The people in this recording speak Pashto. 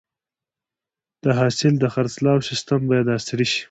د حاصل د خرڅلاو سیستم باید عصري شي.